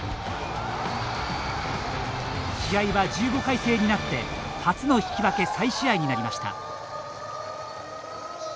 試合は１５回制になって初の引き分け再試合になりました。